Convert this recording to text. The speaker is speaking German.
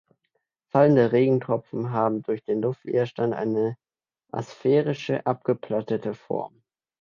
Fallende Regentropfen haben durch den Luftwiderstand eine asphärische, abgeplattete Form.